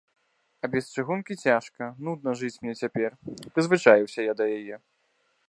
А без чыгункі цяжка, нудна жыць мне цяпер, прызвычаіўся я да яе.